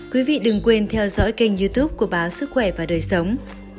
quý vị đừng quên theo dõi kênh youtube của báo sức khỏe và đời sống